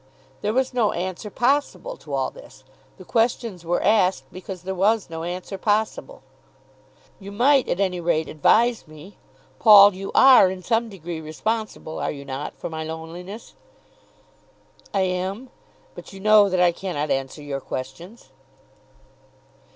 There was no answer possible to all this. The questions were asked because there was no answer possible. "You might at any rate advise me. Paul, you are in some degree responsible, are you not, for my loneliness?" "I am. But you know that I cannot answer your questions."